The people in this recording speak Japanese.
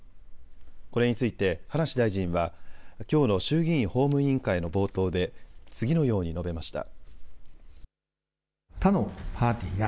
これについて葉梨大臣はきょうの衆議院法務委員会の冒頭で次のように述べました。